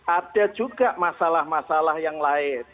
ada juga masalah masalah yang lain